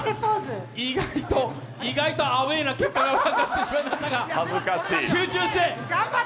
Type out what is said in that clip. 意外とアウェーな結果が分かってしまいましたが、集中して。